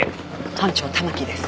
班長玉城です。